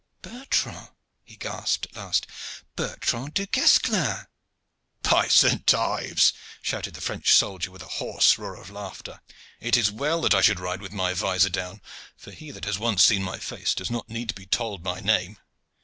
"Bertrand!" he gasped at last. "Bertrand du Guesclin!" "By Saint Ives!" shouted the French soldier, with a hoarse roar of laughter, "it is well that I should ride with my vizor down, for he that has once seen my face does not need to be told my name.